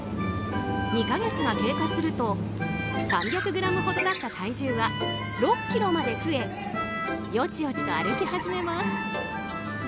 ２か月が経過すると３００ｇほどだった体重は６ｋｇまで増えよちよちと歩き始めます。